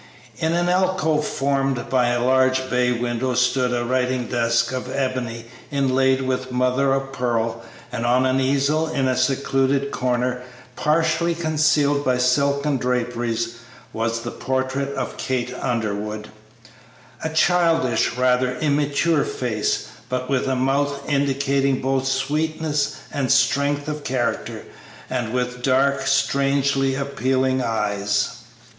In an alcove formed by a large bay window stood a writing desk of ebony inlaid with mother of pearl, and on an easel in a secluded corner, partially concealed by silken draperies, was the portrait of Kate Underwood, a childish, rather immature face, but with a mouth indicating both sweetness and strength of character, and with dark, strangely appealing eyes.